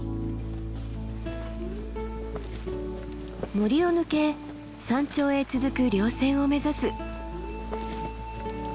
森を抜け山頂へ続く稜線を目指す。